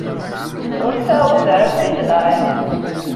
Ur ttɛawad ara akk ad iyi-d-tlaɛid!